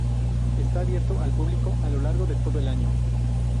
Está abierto al público a lo largo de todo el año.